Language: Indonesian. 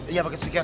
iya pake speaker